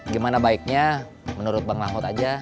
gimana baiknya menurut bang mahfud aja